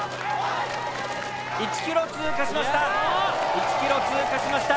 １ｋｍ通過しました。